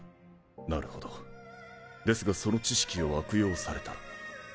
なるほどですがその知識を悪用されたら。